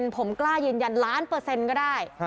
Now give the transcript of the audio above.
๑๐๐๐ผมกล้าเย็นล้านเปอร์เซ็นต์ก็ได้